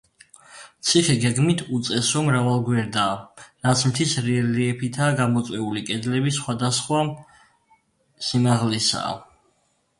ციხე გეგმით უწესო მრავალგვერდაა, რაც მთის რელიეფითა გამოწვეული, კედლები სხვადასხვა სიმაღლისაა.